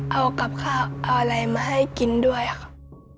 เอากับข้าวเอาอะไรมาให้กินด้วยครับ